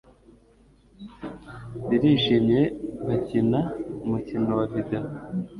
Barishimye bakina umukino wa videwo.